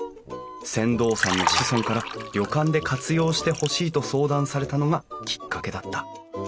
船頭さんの子孫から旅館で活用してほしいと相談されたのがきっかけだった。